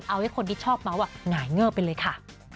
เอาให้คนที่ชอบเมาส์หงายเงิบไปเลยค่ะ